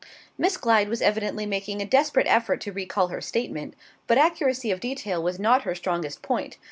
Miss Glyde was evidently making a desperate effort to recall her statement; but accuracy of detail was not her strongest point.